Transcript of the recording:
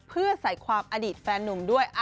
เพื่อใส่ความอดีตแฟนนุ่มด้วย